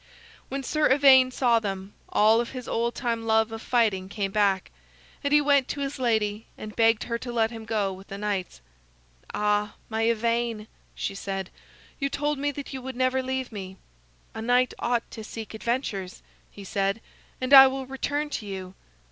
When Sir Ivaine saw them, all his old time love of fighting came back, and he went to his lady and begged her to let him go with the knights. "Ah, my Ivaine," she said, "you told me that you would never leave me." "A knight ought to seek adventures," he said. "And I will return to you."